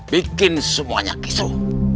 bikin semuanya kisuh